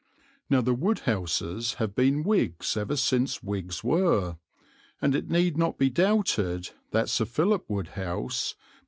Now the Wodehouses have been Whigs ever since Whigs were, and it need not be doubted that Sir Philip Wodehouse, M.